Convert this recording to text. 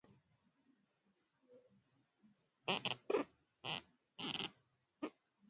Takriban watu elfu ishirini na nane hufa kila mwaka nchini Uganda